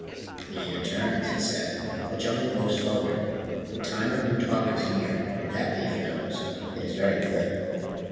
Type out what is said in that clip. "The year turns," he said. "The Jungle goes forward. The Time of New Talk is near. That leaf knows. It is very good."